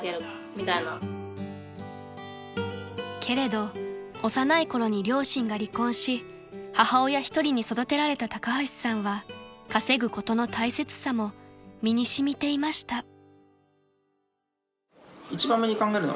［けれど幼いころに両親が離婚し母親一人に育てられた高橋さんは稼ぐことの大切さも身に染みていました］